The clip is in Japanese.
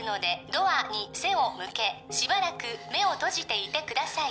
ドアに背を向けしばらく目を閉じていてください